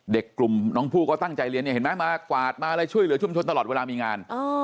เด็กกลุ่มน้องผู้ก็ตั้งใจเรียนเนี่ยเห็นไหมมากวาดมาอะไรช่วยเหลือชุมชนตลอดเวลามีงาน